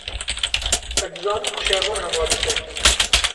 Ez dizanim ku Şervan hevalê te ye.